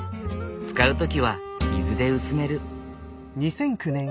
使う時は水で薄める。